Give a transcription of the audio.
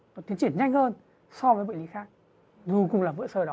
nó tiến triển nhanh hơn so với bệnh lý khác dù cũng là vữa sơ đó